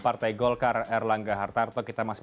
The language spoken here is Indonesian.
partai golkar r langga hartarto kita masih